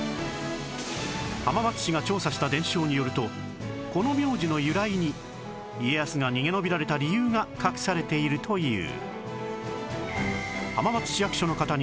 浜松市が調査した伝承によるとこの名字の由来に家康が逃げ延びられた理由が隠されているという